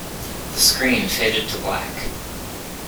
The screen faded to black.